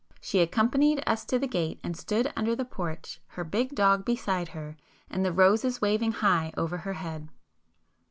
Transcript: '" She accompanied us to the gate and stood under the porch, her big dog beside her, and the roses waving high over her head.